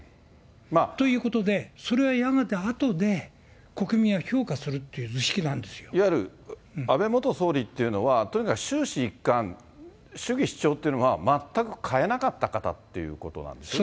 ということで、それはやがてあとで、国民は評価するっていう図式いわゆる、安倍元総理っていうのは、とにかく終始一貫、主義主張っていうのが全く変えなかった方ということなんですね。